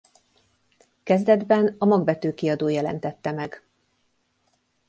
Kezdetben a Magvető kiadó jelentette meg.